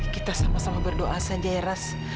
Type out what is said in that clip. kita sama sama berdoa saja ya ras